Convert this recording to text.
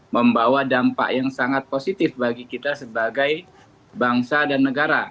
membawa dampak yang sangat positif bagi kita sebagai bangsa dan negara